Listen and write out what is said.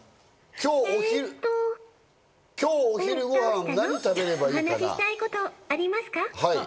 今日昼ごはん、何食べればいお話したいことありますか？